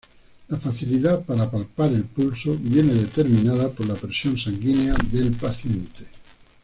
La facilidad para palpar el pulso viene determinada por la presión sanguínea del paciente.